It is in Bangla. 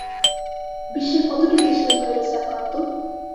বিশ্বের কত টি দেশ এ ভাইরাসে আক্রান্ত?